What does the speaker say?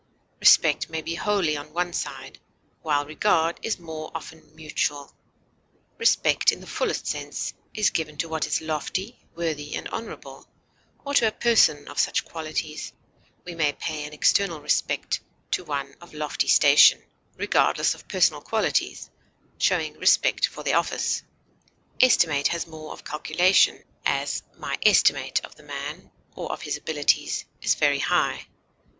Respect may be wholly on one side, while regard is more often mutual; respect in the fullest sense is given to what is lofty, worthy, and honorable, or to a person of such qualities; we may pay an external respect to one of lofty station, regardless of personal qualities, showing respect for the office. Estimate has more of calculation; as, my estimate of the man, or of his abilities, is very high.